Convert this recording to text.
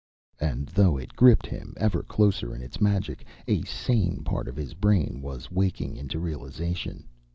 And though it gripped him ever closer in its magic, a sane part of his brain was waking into realization.